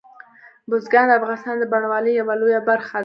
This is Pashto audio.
بزګان د افغانستان د بڼوالۍ یوه لویه برخه ده.